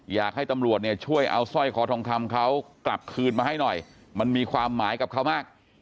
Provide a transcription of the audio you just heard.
อยากให้ตำรวจเนี่ยช่วยเอาสร้อยคอทองคำเขากลับคืนมาให้หน่อยมันมีความหมายกับเขามาก